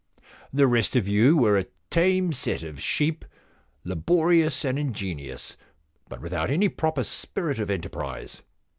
The rest of you were a tame set of sheep, laborious and ingenious, but without any proper spirit of enterprise.